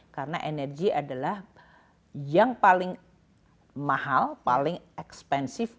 karena energi adalah yang paling mahal paling expensive